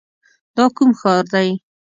دا کوم ښار دی؟